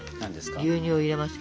牛乳を入れますけど。